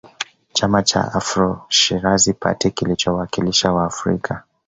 Chama cha AfroShirazi party kilichowakilisha Waafrika